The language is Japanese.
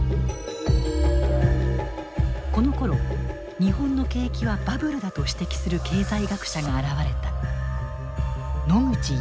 このころ日本の景気はバブルだと指摘する経済学者が現れた。